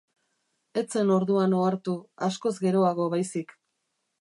Ez zen orduan ohartu, askoz geroago baizik.